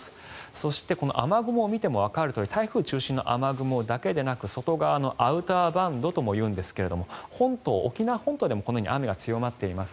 そして、この雨雲を見てもわかるとおり台風を中心の雨雲だけでなく外側のアウターバンドというんですが沖縄本島でもこのように雨が強まっています。